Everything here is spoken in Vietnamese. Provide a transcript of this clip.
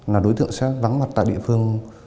là đối tượng sẽ vắng mặt tại địa phương